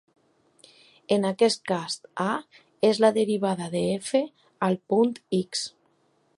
En aquest cas, "A" és la derivada de "f" al punt "x".